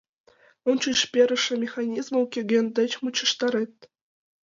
Ончыч перыше механизмым кӧгӧн деч мучыштарет.